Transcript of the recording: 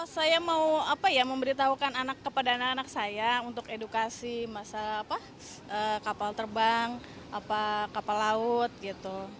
saya mau memberitahukan anak anak saya untuk edukasi kapal terbang kapal laut gitu